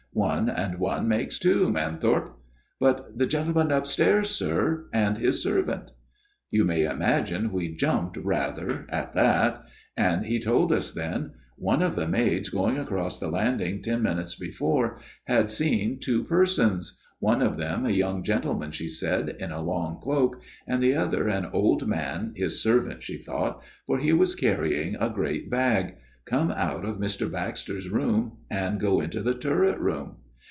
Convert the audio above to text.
' One and one makes two, Manthorpe/ ' But the gentleman upstairs, sir, and his servant ?' 'You may imagine we jumped rather at that ; and he told us then. " One of the maids going across the landing FATHER MADDOX'S TALE 233 ten minutes before had seen two persons one of them a young gentleman, she said, in a long cloak, and the other an old man, his servant, she thought, for he was carrying a great bag come out of Mr. Baxter's room and go into the turret room.